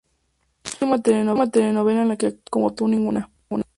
La última telenovela en la que actuó fue "Como tú ninguna".